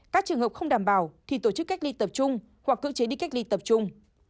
các trường hợp không đảm bảo thì tổ chức cách ly tập trung hoặc cưỡng chế đi cách ly tập trung